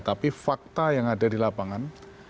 tapi fakta yang ada di lapangan